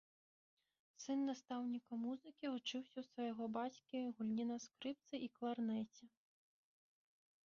Сын настаўніка музыкі, вучыўся ў свайго бацькі гульні на скрыпцы і кларнеце.